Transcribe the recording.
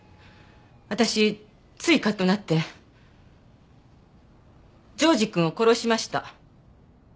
私ついカッとなって譲士くんを殺しました。